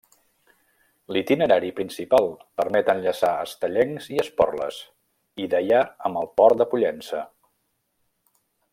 L'itinerari principal permet enllaçar Estellencs i Esporles, i Deià amb el Port de Pollença.